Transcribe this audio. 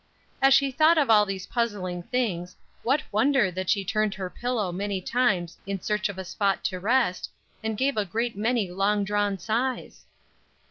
As she thought of all these puzzling things, what wonder that she turned her pillow many times in search of a spot to rest, and gave a great many long drawn sighs?